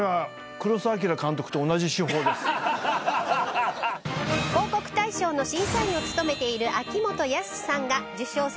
広告大賞の審査員を務めている秋元康さんが受賞作品を解説。